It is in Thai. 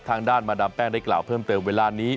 ทางด้านมาดามแป้งได้กล่าวเพิ่มเติมเวลานี้